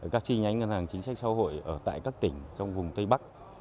các chi nhánh ngân hàng chính sách xã hội ở tại các tỉnh trong vùng tây bắc